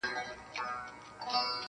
له ناکامه یې ځان سیند ته ور ایله کړ-